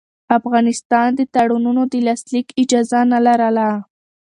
افغانستان د تړونونو د لاسلیک اجازه نه لرله.